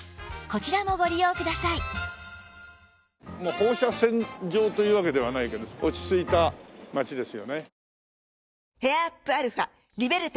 放射線状というわけではないけど落ち着いた街ですよね。